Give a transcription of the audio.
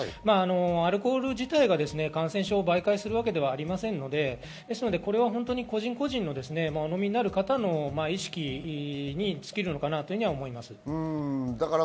アルコール自体が感染症を媒介する事ではありませんので、個人個人のお飲みになる方の意識に尽きるのかなと思います。